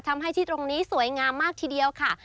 ทำให้ที่ตรงนี้สวยงามมากทีเดียวค่ะ